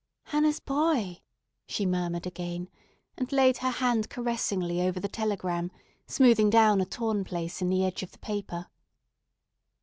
"Hannah's boy!" she murmured again, and laid her hand caressingly over the telegram, smoothing down a torn place in the edge of the paper.